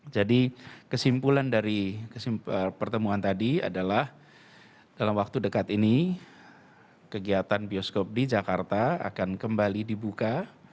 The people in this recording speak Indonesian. jadi kesimpulan dari pertemuan tadi adalah dalam waktu dekat ini kegiatan bioskop di jakarta akan kembali dibuka